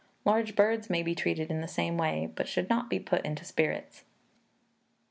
Large birds may be treated in the same way, but should not be put into spirits. 2340.